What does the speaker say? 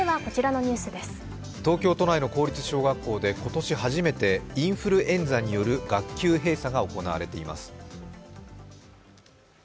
東京都内の公立小学校で今年初めてインフルエンザによる学級閉鎖が行われています。